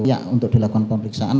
layak untuk dilakukan pemeriksaan